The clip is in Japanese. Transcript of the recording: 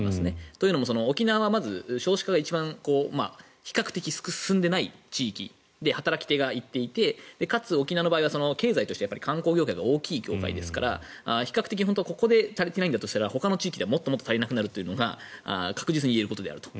というのも沖縄は少子化が一番比較的進んでない地域で働き手が行っていてかつ、沖縄の場合は経済として観光業界が非常に大きい業界ですから比較的ここで足りていないとしたらほかの地域ではもっと足りなくなることが確実に言えることであると。